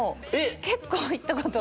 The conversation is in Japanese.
結構行ったこと。